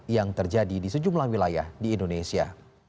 yang terjadi di sejumlah wilayah di indonesia